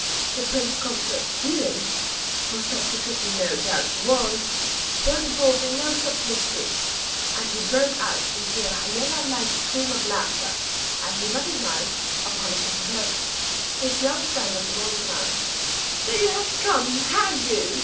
The prince consort's feelings for such there could be no doubt he was were involved in no such mystery; and he broke out into a hyena like scream of laughter, as he recognized, upon a second look, his young friend of the Golden Crown. "So you have come, have you?"